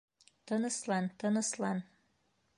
Тыныслан, тыныслан...